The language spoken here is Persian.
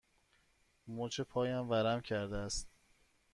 مچ پایم ورم کرده است.